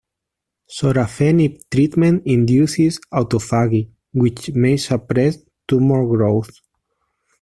Sorafenib treatment induces autophagy, which may suppress tumor growth.